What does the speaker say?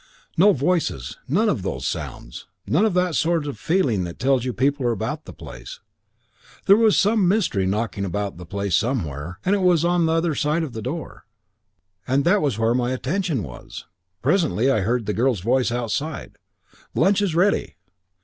No voices, none of those sounds, none of that sort of feeling that tells you people are about the place. No, there was some mystery knocking about the place somewhere, and it was on the other side of the door, and that was where my attention was. "Presently I heard the girl's voice outside, 'Lunch is ready.'